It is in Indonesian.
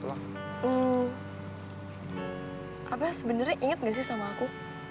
apa sebenarnya ingat gak sih sama aku